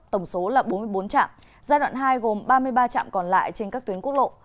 tổng số là bốn mươi bốn trạm giai đoạn hai gồm ba mươi ba trạm còn lại trên các tuyến quốc lộ